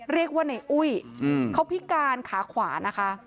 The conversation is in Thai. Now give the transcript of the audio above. เรียกว่าในอุ้ยเขาพิการขาขวานะคะ